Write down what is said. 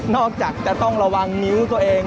จากจะต้องระวังนิ้วตัวเอง